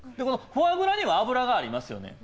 フォアグラには油がありますよね。